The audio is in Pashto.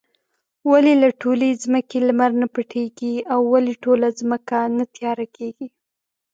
ولې له ټولې ځمکې لمر نۀ پټيږي؟ او ولې ټوله ځمکه نه تياره کيږي؟